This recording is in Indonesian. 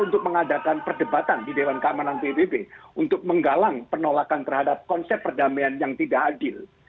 untuk mengadakan perdebatan di dewan keamanan pbb untuk menggalang penolakan terhadap konsep perdamaian yang tidak adil